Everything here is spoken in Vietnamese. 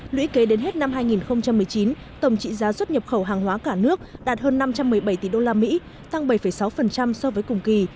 lũy kế đến hết năm hai nghìn một mươi chín tổng trị giá xuất nhập khẩu hàng hóa cả nước đạt hơn năm trăm một mươi bảy tỷ usd tăng bảy sáu so với cùng kỳ